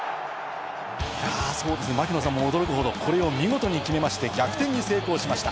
槙野さんも驚くほど、これを見事に決めまして、逆転に成功しました。